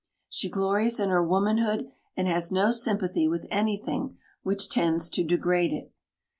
She glories in her womanhood and has no sympathy with anything which tends to degrade it.